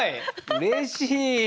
うれしい。